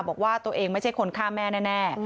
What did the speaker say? บอกว่าตัวเองไม่ใช่คนฆ่าแม่แน่